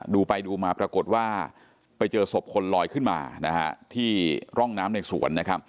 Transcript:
ดูไปดูมาปรากฏว่าไปเจอศพคนลอยขึ้นมานะฮะที่ร่องน้ำในสวนนะครับ